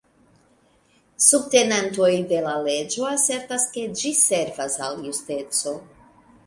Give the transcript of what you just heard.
Subtenantoj de la leĝo asertas, ke ĝi servas al justeco.